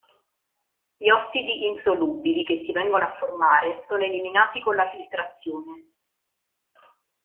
Gli ossidi insolubili che si vengono a formare sono eliminati con la filtrazione.